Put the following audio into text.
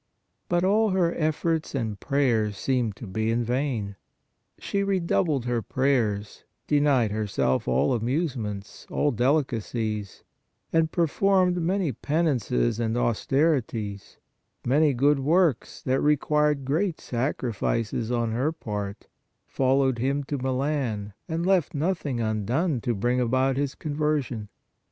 But all her efforts and prayers seemed to be in vain. She redoubled her prayers, denied herself all amusements, all deli cacies, and performed many penances and auster ities, many good works that required great sacrifices on her part ; followed him to Milan, and left nothing undone to bring about his conversion.